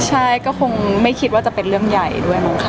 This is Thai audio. ใช่ก็คงไม่คิดว่าจะเป็นเรื่องใหญ่ด้วยมั้งค่ะ